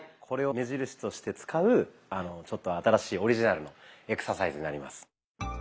これを目印として使うちょっと新しいオリジナルのエクササイズになります。